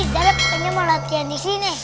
zara pokoknya mau latihan disini